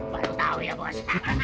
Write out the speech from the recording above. baru tau ya bos